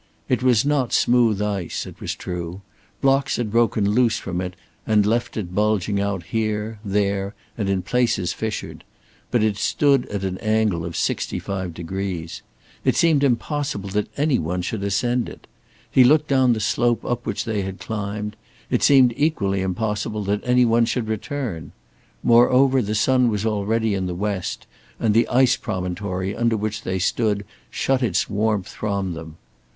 It was not smooth ice, it was true; blocks had broken loose from it, and had left it bulging out here, there, and in places fissured. But it stood at an angle of 65 degrees. It seemed impossible that any one should ascend it. He looked down the slope up which they had climbed it seemed equally impossible that any one should return. Moreover, the sun was already in the West, and the ice promontory under which they stood shut its warmth from them.